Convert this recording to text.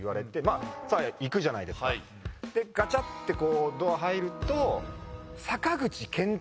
ガチャってドア入ると。